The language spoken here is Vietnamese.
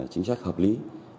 chính sách hợp lý